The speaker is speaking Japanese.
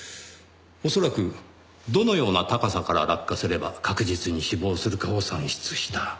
恐らくどのような高さから落下すれば確実に死亡するかを算出した。